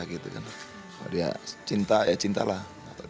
kalau dia cinta ya cintalah